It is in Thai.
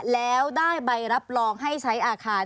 แล้วได้ใบรับรองให้ใช้อาคาร